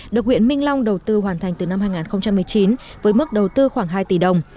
được huyện minh long đầu tư hoàn thành từ năm hai nghìn một mươi chín với mức đầu tư khoảng hai tỷ đồng